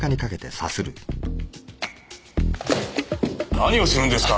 何をするんですか！